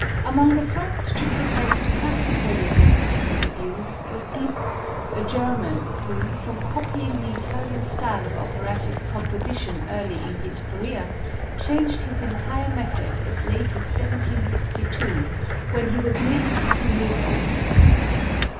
Among the first to protest practically against this abuse was Gluck, a German, who, from copying the Italian style of operatic composition early in his career, changed his entire method as late as 1762, when he was nearly fifty years old.